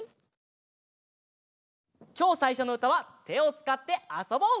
きょうさいしょのうたはてをつかってあそぼう！